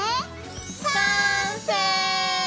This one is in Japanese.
完成！